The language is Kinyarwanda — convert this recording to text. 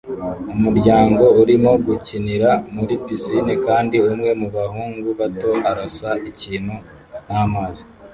Umuryango urimo gukinira muri pisine kandi umwe mubahungu bato arasa ikintu n'amazi